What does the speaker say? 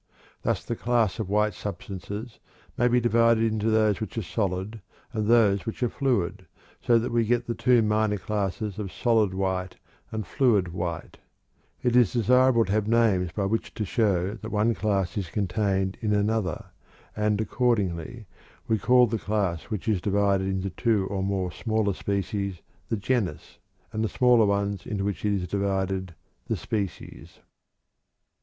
Thus the class of white substances may be divided into those which are solid, and those which are fluid, so that we get the two minor classes of solid white and fluid white substances. It is desirable to have names by which to show that one class is contained in another, and, accordingly, we call the class which is divided into two or more smaller ones the genus, and the smaller ones into which it is divided, the species."